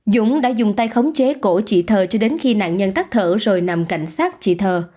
dũng đã dùng tay khống chế cổ chị tờ cho đến khi nạn nhân tắt thở rồi nằm cạnh sát chị tờ